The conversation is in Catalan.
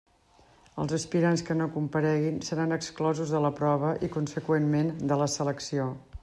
Els aspirants que no hi compareguin seran exclosos de la prova i, conseqüentment, de la selecció.